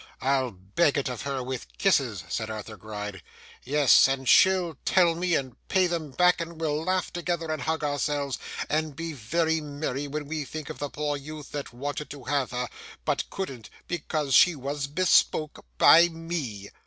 I'll beg it of her with kisses,' said Arthur Gride. 'Yes, and she'll tell me, and pay them back, and we'll laugh together, and hug ourselves, and be very merry, when we think of the poor youth that wanted to have her, but couldn't because she was bespoke by me!